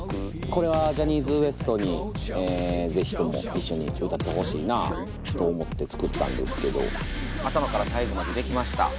これはジャニーズＷＥＳＴに是非とも一緒に歌ってほしいなと思って作ったんですけど頭から最後まで出来ました。